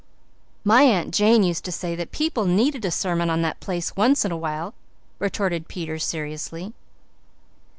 "My Aunt Jane used to say that people needed a sermon on that place once in a while," retorted Peter seriously.